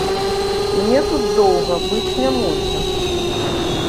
Мне тут доўга быць няможна.